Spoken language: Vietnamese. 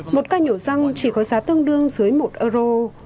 một ca nhổ răng chỉ có giá tương đương dưới một euro